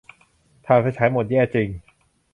ถ่านไฟฉายหมด แย่จริง